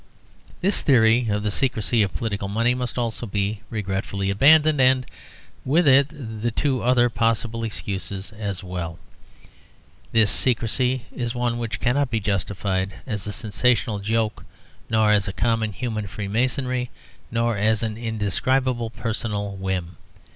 This theory of the secrecy of political money must also be regretfully abandoned; and with it the two other possible excuses as well. This secrecy is one which cannot be justified as a sensational joke nor as a common human freemasonry, nor as an indescribable personal whim.